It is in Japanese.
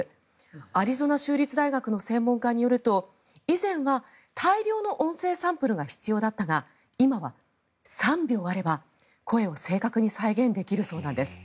アリゾナ州立大学の専門家によると以前は大量の音声サンプルが必要だったが今は３秒あれば声を正確に再現できるそうです。